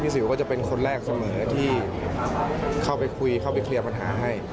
สิวก็จะเป็นคนแรกเสมอที่เข้าไปคุยเข้าไปเคลียร์ปัญหาให้